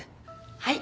はい。